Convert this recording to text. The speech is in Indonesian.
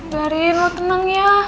garin lo tenang ya